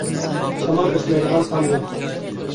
شامال ئۆتمەيدىغان تام يوق.